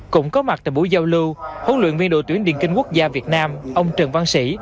cũng có mặt tại buổi giao lưu huấn luyện viên đội tuyển điền kinh quốc gia việt nam ông trần văn sĩ